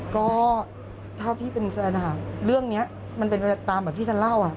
ก็ถ้าพี่เป็นแฟนนะคะเรื่องนี้มันเป็นไปตามแบบที่ฉันเล่า